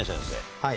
はい。